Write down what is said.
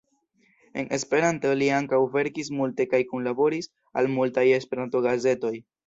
En Esperanto li ankaŭ verkis multe kaj kunlaboris al multaj Esperanto-gazetoj.